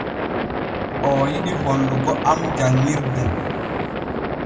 Oo yiɗi hollugo am janŋirde.